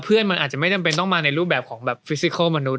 เพื่อนมันอาจจะไม่จำเป็นต้องมาในรูปแบบของแบบฟิซิโคลมนุษ